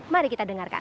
mari kita dengarkan